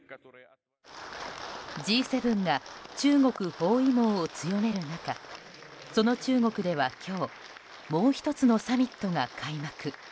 Ｇ７が中国包囲網を強める中その中国では今日もう１つのサミットが開幕。